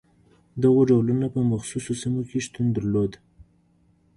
دغو ډولونه په مخصوصو سیمو کې شتون درلود.